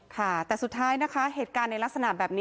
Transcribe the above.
ค่ะแต่สุดท้ายนะคะเหตุการณ์ในลักษณะแบบนี้